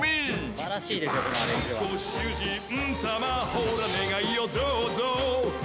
「ご主人様ホラ願いをどうぞ」